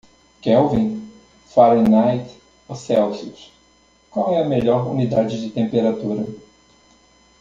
Kelvin? Fahrenheit ou Celsius - qual é a melhor unidade de temperatura?